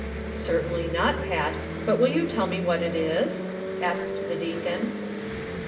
" Certainly not, Pat ; but will you tell me what it is V " asked the deacon.